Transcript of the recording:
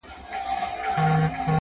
o د سړي د کور په خوا کي یو لوی غار وو,